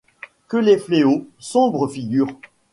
Que les fléaux, sombres figures